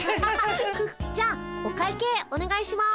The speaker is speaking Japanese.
じゃあお会計おねがいします。